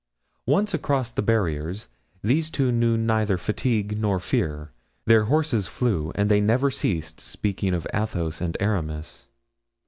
Once across the barriers these two knew neither fatigue nor fear. Their horses flew, and they never ceased speaking of Athos and Aramis.